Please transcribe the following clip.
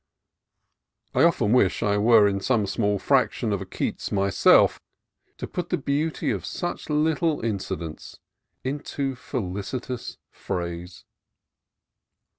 I often wished I were some small fraction of a Keats myself, to put the beauty of such little inci dents into felicitous phrase.